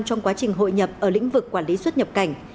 trong quá trình hội nhập ở lĩnh vực quản lý xuất nhập cảnh